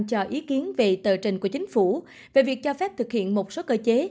cho ý kiến về tờ trình của chính phủ về việc cho phép thực hiện một số cơ chế